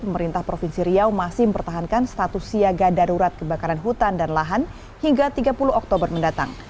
pemerintah provinsi riau masih mempertahankan status siaga darurat kebakaran hutan dan lahan hingga tiga puluh oktober mendatang